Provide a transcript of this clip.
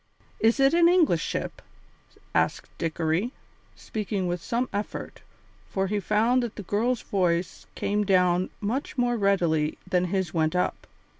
"Is it an English ship?" asked Dickory, speaking with some effort, for he found that the girl's voice came down much more readily than his went up.